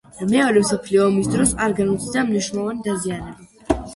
მეორე მსოფლიო ომის დროს არ განუცდია მნიშვნელოვანი დაზიანება.